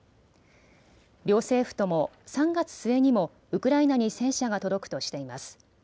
両政府とも３月末にもウクライナに戦車が届くとしています。